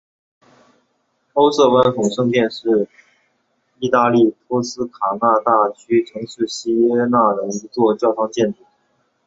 欧瑟万扎圣殿是义大利托斯卡纳大区城市锡耶纳的一座教堂建筑。